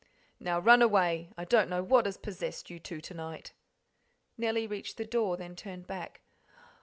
"Now run away; I don't know what has possessed you two to night." Nellie reached the door, then turned back.